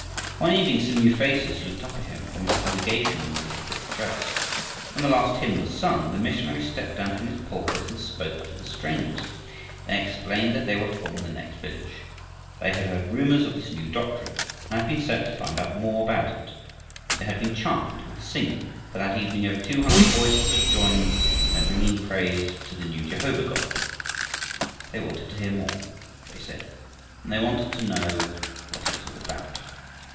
One evening some new faces looked up at him from his congregation in the little brick church. When the last hymn was sung the missionary stepped down from his pulpit and spoke to the strangers. They explained that they were from the next village. They had heard rumors of this new doctrine, and had been sent to find out more about it. They had been charmed with the singing, for that evening over two hundred voices had joined in a ringing praise to the new Jehovah God. They wanted to hear more, they said, and they wanted to know what it was all about.